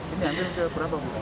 ini ambil ke berapa